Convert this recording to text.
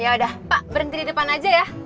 yaudah pak berhenti di depan aja ya